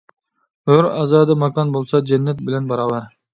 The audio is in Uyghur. ھۆر-ئازادە ماكان بولسا جەننەت بىلەن باراۋەر.